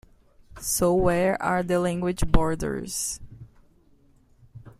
So where are the language borders?